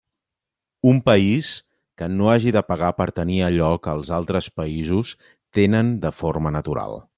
Un país que no hagi de pagar per tenir allò que els altres països tenen de forma natural.